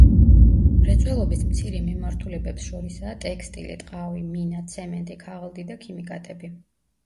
მრეწველობის მცირე მიმართულებებს შორისაა ტექსტილი, ტყავი, მინა, ცემენტი, ქაღალდი და ქიმიკატები.